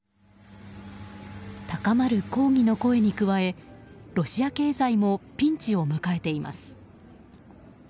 高まる抗議の声に加えロシア経済もピンチを迎えています。